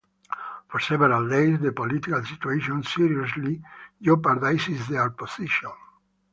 For several days, the political situation seriously jeopardised their position.